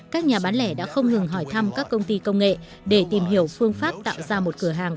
các nhà bán lẻ đã không ngừng hỏi thăm các công ty công nghệ để tìm hiểu phương pháp tạo ra một cửa hàng